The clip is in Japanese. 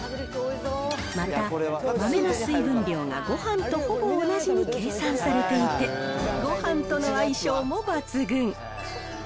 また、豆の水分量がごはんとほぼ同じに計算されていて、ごはんとの相性